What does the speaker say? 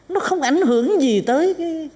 nó không ảnh hưởng gì tới